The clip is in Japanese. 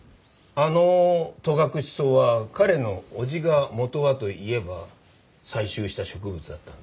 あの戸隠草は彼の叔父が元はと言えば採集した植物だったんだよ。